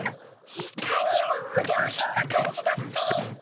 いかにもお上品な感じだっピィ。